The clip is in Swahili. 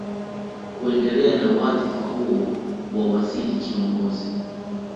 Kuendelea na wadhifa huo wa waziri kiongozi